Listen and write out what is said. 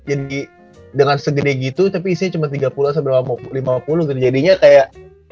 jadi dengan segede gitu tapi isinya cuma tiga puluh lima puluh jadi jadinya kayak